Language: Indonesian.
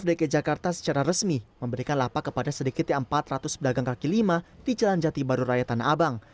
dki jakarta secara resmi memberikan lapak kepada sedikitnya empat ratus pedagang kaki lima di jalan jati baru raya tanah abang